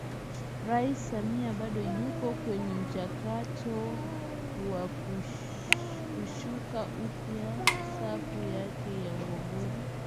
Rais Samia bado yupo kwenye mchakato wa kusuka upya safu yake ya uongozi